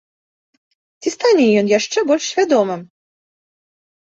Ці стане ён яшчэ больш вядомым?